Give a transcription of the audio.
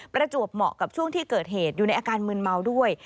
ประจวบเหมาะกับช่วงที่เกิดเหตุอยู่ในอาการมืนเมาด้วย